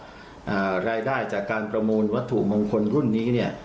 อ่ารายได้จากการประมูลวัตถุมงคลรุ่นนี้เนี้ย